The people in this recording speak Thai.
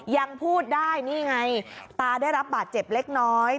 ยังพูดได้นี่ไงตาได้รับบาดเจ็บเล็กน้อย